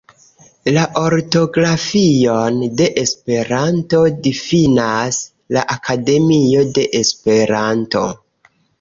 La ortografion de Esperanto difinas la Akademio de Esperanto.